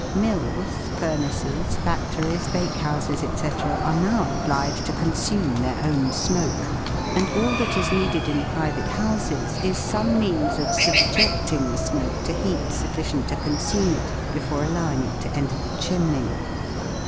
Mills, furnaces, factories, bakehouses, &c., are now obliged to consume their own smoke, and all that is needed in private houses is some means of subjecting the smoke to heat sufficient to consume it before allowing it to enter the chimney.